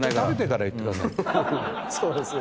そうですね。